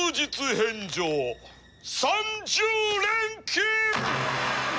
返上３０連勤！